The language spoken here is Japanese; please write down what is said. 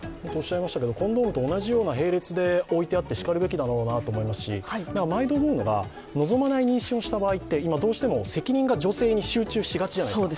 コンドームと同じような並列で置いてあってしかるべきだろうなと思いますし、毎度思うのが望まない妊娠をした場合ってどうしても責任が女性に集中しがちじゃないですか。